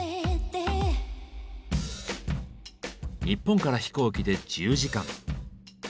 日本から飛行機で１０時間。